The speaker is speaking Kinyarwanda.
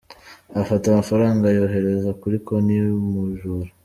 Afata amafaraga ayohereza kuri konti y’umujura.